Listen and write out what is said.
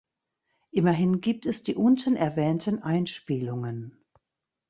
Immerhin gibt es die unten erwähnten Einspielungen.